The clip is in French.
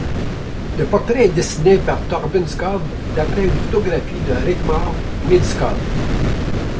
Le portrait est dessiné par Torben Skov d'après une photographie de Rigmor Mydtskov.